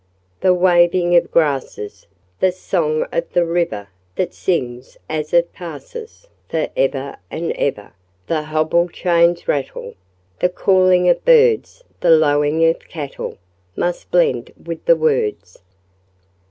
The waving of grasses, The song of the river That sings as it passes For ever and ever, The hobble chains' rattle, The calling of birds, The lowing of cattle Must blend with the words.